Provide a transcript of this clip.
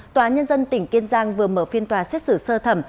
tòa nhân dân tỉnh kiên giang vừa mở phiên tòa xét xử sơ thẩm